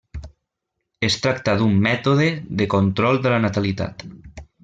Es tracta d'un mètode de control de la natalitat.